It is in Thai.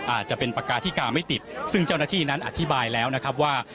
อาจจะเป็นปากกาธิกาไม่ติดซึ่งเจ้าหน้าที่นั้นอธิบายแล้วนะครับว่า